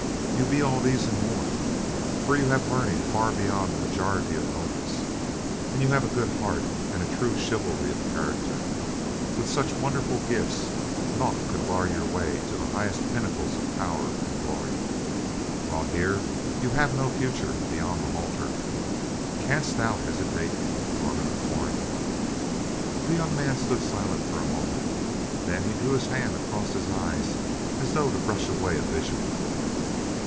You be all these and more, for you have learning far beyond the majority of nobles, and you have a good heart and a true chivalry of character. With such wondrous gifts, naught could bar your way to the highest pinnacles of power and glory, while here you have no future beyond the halter. Canst thou hesitate, Norman of Torn?" The young man stood silent for a moment, then he drew his hand across his eyes as though to brush away a vision.